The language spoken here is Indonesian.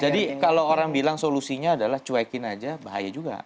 jadi kalau orang bilang solusinya adalah cuekin aja bahaya juga